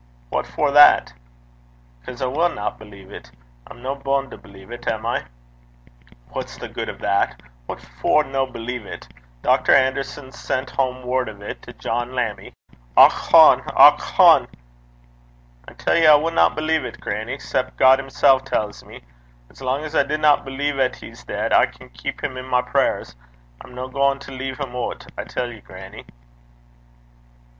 'What for that?' ''Cause I winna believe 't. I'm no bund to believe 't, am I?' 'What's the gude o' that? What for no believe 't? Dr. Anderson's sent hame word o' 't to John Lammie. Och hone! och hone!' 'I tell ye I winna believe 't, grannie, 'cep' God himsel' tells me. As lang 's I dinna believe 'at he's deid, I can keep him i' my prayers. I'm no gaein' to lea' him oot, I tell ye, grannie.'